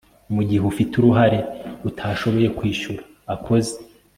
mu gihe ufite uruhare utashoboye kwishyura akoze